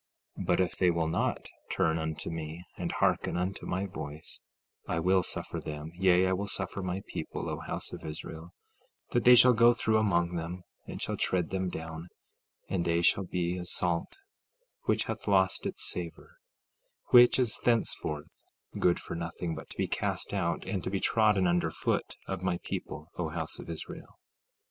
16:15 But if they will not turn unto me, and hearken unto my voice, I will suffer them, yea, I will suffer my people, O house of Israel, that they shall go through among them, and shall tread them down, and they shall be as salt that hath lost its savor, which is thenceforth good for nothing but to be cast out, and to be trodden under foot of my people, O house of Israel.